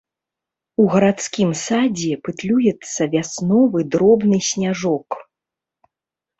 У гарадскім садзе пытлюецца вясновы дробны сняжок.